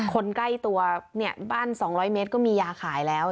คนใกล้ตัวเนี่ยบ้าน๒๐๐เมตรก็มียาขายแล้ว